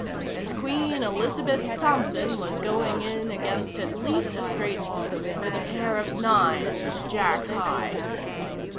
And Queen Elizabeth Thompson was going in against at least a straight with a pair of nines, Jack high.